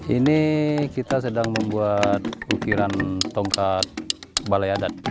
ini kita sedang membuat ukiran tongkat balai adat